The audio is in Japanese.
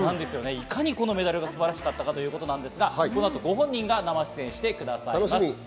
いかにこのメダルが素晴らしかったかということですが、この後ご本人が生出演してくださいます。